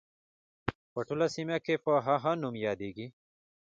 په ټوله سیمه کې په هغه نوم نه یادیږي.